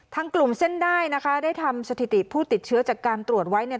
กลุ่มเส้นได้นะคะได้ทำสถิติผู้ติดเชื้อจากการตรวจไว้เนี่ย